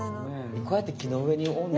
こうやって木の上におんねんな。